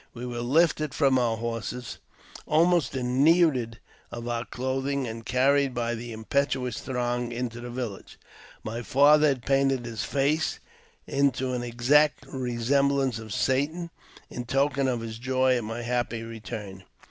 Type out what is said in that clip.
We were lifted from our horses, and almost denuded of our clothing, and carried by the impetuous throng into the village. My father had painted his face into an exact resemblance of Satan, in token of his joy at my happy return.